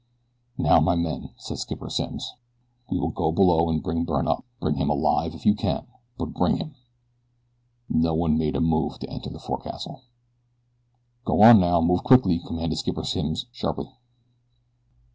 "Now, my men," said Skipper Simms, "we will go below and bring Byrne up. Bring him alive if you can but bring him." No one made a move to enter the forecastle. "Go on now, move quickly," commanded Skipper Simms sharply.